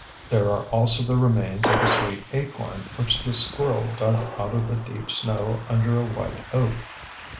There are also the remains of a sweet acorn which the squirrel dug out of the deep snow under a white oak.